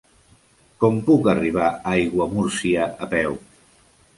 Com puc arribar a Aiguamúrcia a peu?